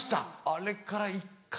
あれから１回。